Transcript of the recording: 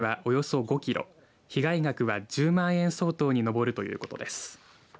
警察によりますと盗まれた実は、およそ５キロ被害額は１０万円相当に上るということです。